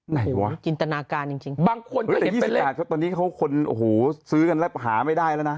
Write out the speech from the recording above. ไหนวะบางคนก็เห็นเป็นเลขแต่๒๘ตอนนี้เขาค้นโอ้โหซื้อกันแล้วหาไม่ได้แล้วนะ